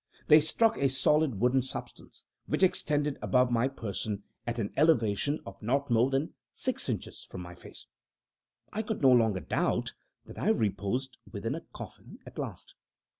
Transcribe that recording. They struck a solid wooden substance, which extended above my person at an elevation of not more than six inches from my face. I could no longer doubt that I reposed within a coffin at last.